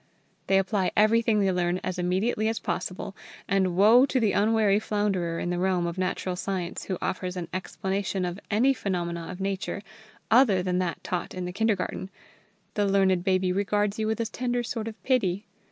They apply everything they learn as immediately as possible, and woe to the unwary flounderer in the realm of natural science who offers an explanation of any phenomena of nature other than that taught in the kindergarten. The learned baby regards you with a tender sort of pity.